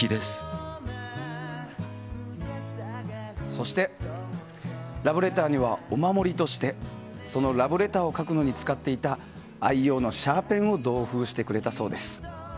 そしてラブレターにはお守りとしてそのラブレターを書くのに使っていた愛用のシャーペンを同封してくれたそうです。